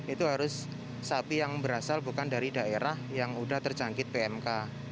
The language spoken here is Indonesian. itu harus sapi yang berasal bukan dari daerah yang sudah terjangkit pmk